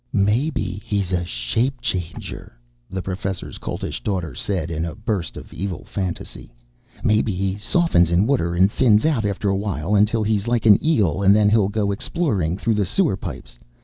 "Maybe he's a shape changer," the Professor's Coltish Daughter said in a burst of evil fantasy. "Maybe he softens in water and thins out after a while until he's like an eel and then he'll go exploring through the sewer pipes.